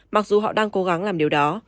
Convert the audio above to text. mặc dù họ đang cố gắng làm điều đó